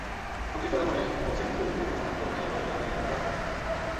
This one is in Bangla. সংশ্লিষ্টরা মনে করছেন, বিগত যেকোনো সময়ের তুলনায় এবার ঈদে অনলাইনে কেনাকাটা বাড়বে।